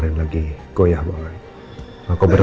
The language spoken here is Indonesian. silahkan mbak mbak